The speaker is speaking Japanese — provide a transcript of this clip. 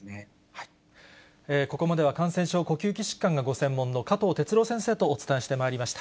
ここまでは、感染症、呼吸器疾患がご専門の加藤哲朗先生とお伝えしてまいりました。